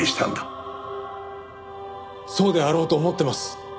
そうであろうと思ってます。